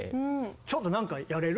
ちょっと何かやれる？